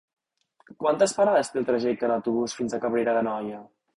Quantes parades té el trajecte en autobús fins a Cabrera d'Anoia?